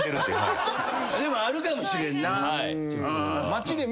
でもあるかもしれんな。